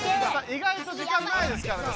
いがいと時間ないですからね